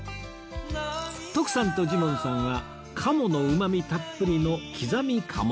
徳さんとジモンさんは鴨のうまみたっぷりの